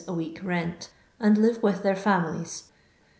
a week rent, and live with their families.